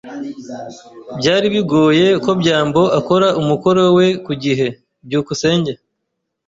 Byari bigoye ko byambo akora umukoro we ku gihe. byukusenge